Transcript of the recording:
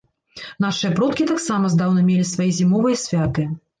Нашыя продкі таксама здаўна мелі свае зімовыя святы.